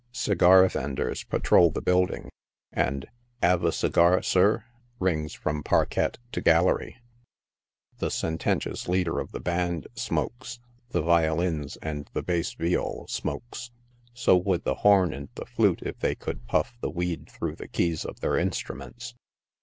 Segar ven ders patrol the building, and l{ 'Ave a segar, sir ?" rings from par quette to gallery ; the sententious leader of the band smokes, the violins and the bass viol smokes, so would the horn and the flute if they could puff the weed through the keys of their instruments.